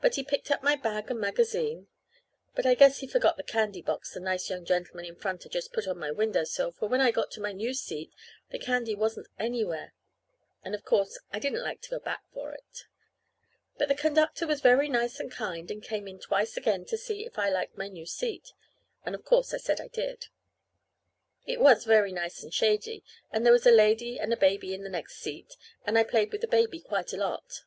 But he picked up my bag and magazine but I guess he forgot the candy box the nice young gentleman in front had just put on my window sill, for when I got into my new seat the candy wasn't anywhere; and of course I didn't like to go back for it. But the conductor was very nice and kind, and came in twice again to see if I liked my new seat; and of course I said I did. It was very nice and shady, and there was a lady and a baby in the next seat, and I played with the baby quite a lot.